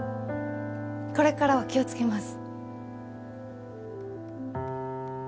これからは気をつけます。